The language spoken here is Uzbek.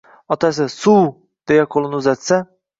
Otasi: — Suv! – deya qo’lin uzatsa